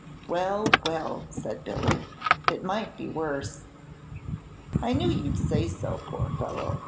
"Well, well!" said Billy, "it might be worse." "I knew you 'd say so, poor fellow!"